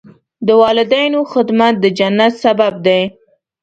د والدینو خدمت د جنت سبب دی.